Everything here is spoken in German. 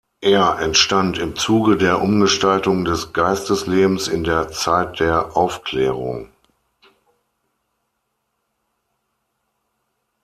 Er entstand im Zuge der Umgestaltung des Geisteslebens in der Zeit der Aufklärung.